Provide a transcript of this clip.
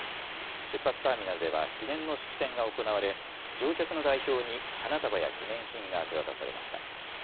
出発ターミナルでは記念の式典が行われ乗客の代表に花束や記念品が手渡されました。